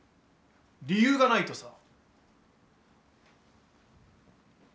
理由がないとさ。